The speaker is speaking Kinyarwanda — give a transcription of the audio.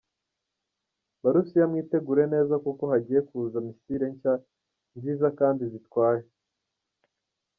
Barusiya mwitegure neza kuko hagiye kuza misile nshya, nziza kandi zitwaye.